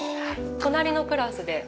隣のクラスで。